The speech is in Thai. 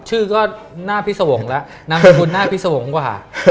ชื่อก็หน้าพี่สวงศ์แล้วนามสกุลหน้าพี่สวงศ์กว่า